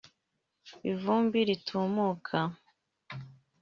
ivumbi ritumuka